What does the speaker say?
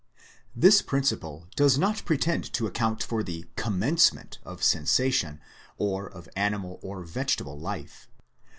This principle does not pretend to account for the commencement of sensation or of animal or vegetable life.